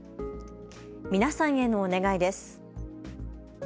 皆さんへのお願いです。